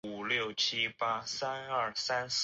房间的壁灯永远不会关闭。